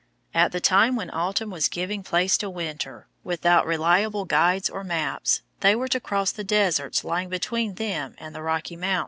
At the time when autumn was giving place to winter, without reliable guides or maps, they were to cross the deserts lying between them and the Rocky Mountains.